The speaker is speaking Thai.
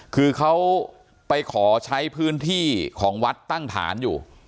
คือเขาไปขอใช้พื้นที่ของวัดตั้งฐานอยู่